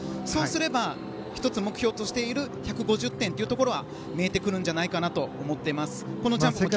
そうすれば、１つ目標としている１５０点というところが見えてくるんじゃないかなと思っています。